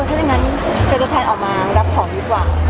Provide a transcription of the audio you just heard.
ว่าถ้าจะเจอะแทนเข้ามารับของดีกว่า